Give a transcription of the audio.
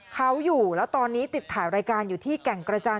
เขาอยู่แล้วตอนนี้ติดถ่ายรายการอยู่ที่แก่งกระจาน